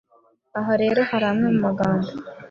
Aha rero hari amwe mu magambo